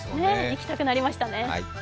行きたくなりましたね。